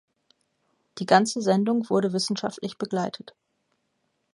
Die ganze Sendung wurde wissenschaftlich begleitet.